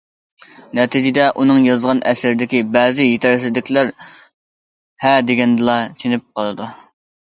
نەتىجىدە ئۇنىڭ يازغان ئەسىرىدىكى بەزى يېتەرسىزلىكلەر ھە دېگەندىلا چېنىپ قالىدۇ.